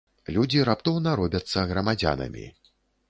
Людзі раптоўна робяцца грамадзянамі.